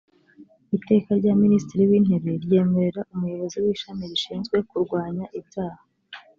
iteka rya minisitiri w intebe ryemerera umuyobozi w ishami rishinzwe kurwanya ibyaha